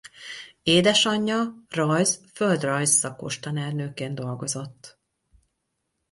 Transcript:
Édesanyja rajz–földrajz szakos tanárnőként dolgozott.